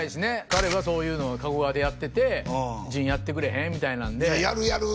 彼はそういうのを加古川でやってて「陣やってくれへん」みたいなんで「やるやる」